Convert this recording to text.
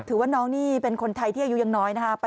น้องนี่เป็นคนไทยที่อายุยังน้อยนะคะ